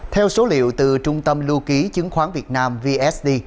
theo số liệu từ trung tâm lưu ký chứng khoán việt nam vsd